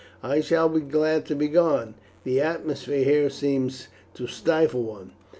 I shall be glad to be gone, the atmosphere here seems to stifle one.